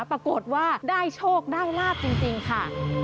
ปรากฏว่าได้โชคได้ลาบจริงค่ะ